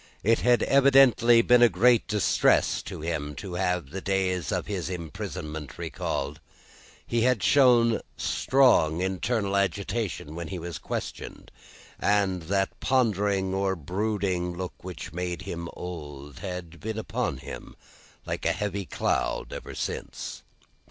It had evidently been a great distress to him, to have the days of his imprisonment recalled. He had shown strong internal agitation when he was questioned, and that pondering or brooding look which made him old, had been upon him, like a heavy cloud, ever since.